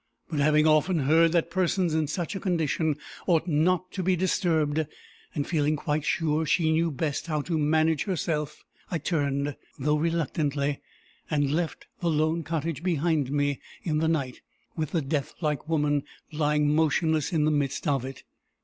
But having often heard that persons in such a condition ought not to be disturbed, and feeling quite sure she knew best how to manage herself, I turned, though reluctantly, and left the lone cottage behind me in the night, with the death like woman lying motionless in the midst of it.